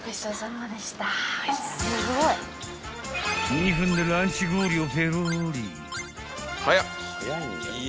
［２分でランチ氷をペロリ］